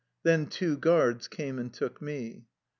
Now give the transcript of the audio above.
Then two guards came and took me.